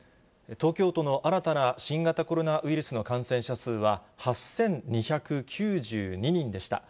東京都の新たな新型コロナウイルスの感染者数は、８２９２人でした。